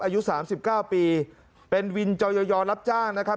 อายุสามสิบเก้าปีเป็นวินจอยอรับจ้างนะครับ